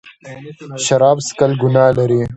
شراب څښل ګناه لري.